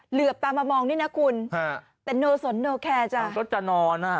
เหลือบตามามองนี่นะคุณฮะแต่โนสนโนแคร์จ้ะก็จะนอนอ่ะ